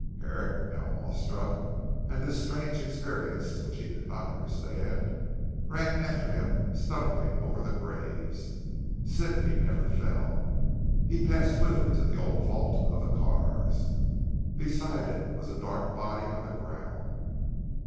Herrick, now awestruck at his strange experience which he did not understand, ran after him stumbling over the graves. Sidney never fell. He passed swiftly to the old vault of the Carrs. Beside it was a dark body on the ground.